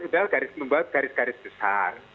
adalah garis membuat garis garis besar